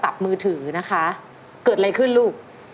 มือถือนะคะเกิดอะไรขึ้นลูก